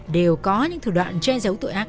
đều có những thử đoạn che giấu tội ác